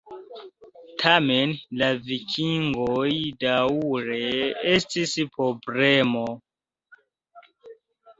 Tamen la vikingoj daŭre estis problemo.